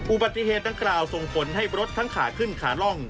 อุบัติเหตุดังกล่าวส่งผลให้รถทั้งขาขึ้นขาล่อง